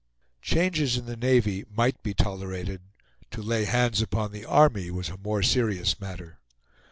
Changes in the Navy might be tolerated; to lay hands upon the Army was a more serious matter.